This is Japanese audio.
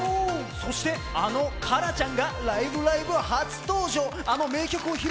そして、あのＫＡＲＡちゃんが、「ライブ！ライブ！」初登場！